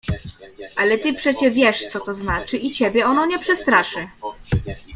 Ale ty przecie wiesz, co to znaczy — i ciebie ono nie przestraszy.